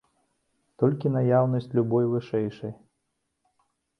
Толькі наяўнасць любой вышэйшай.